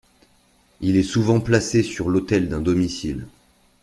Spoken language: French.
Il est souvent placé sur l'autel d'un domicile.